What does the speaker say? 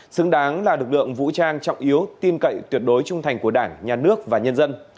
xứng đáng là lực lượng vũ trang trọng yếu tin cậy tuyệt đối trung thành của đảng nhà nước và nhân dân